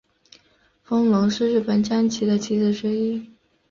风龙是日本将棋的棋子之一。